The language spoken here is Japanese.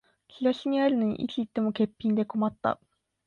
チラシにあるのにいつ行っても欠品で困った